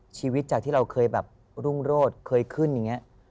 ชีวิตจากที่เราเคยแบบรุ่งโรศเคยขึ้นอย่างนี้